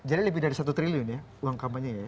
jadi lebih dari satu triliun ya uang kampanye ya